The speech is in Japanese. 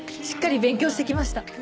しっかり勉強してきました。